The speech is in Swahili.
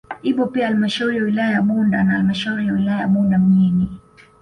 Ipo pia halmashauri ya wilaya ya Bunda na halmashauri ya wilaya ya Bunda mjini